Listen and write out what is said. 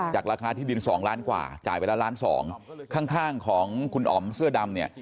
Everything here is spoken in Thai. ราคาที่ดินสองล้านกว่าจ่ายไปแล้วล้านสองข้างของคุณอ๋อมเสื้อดำเนี่ย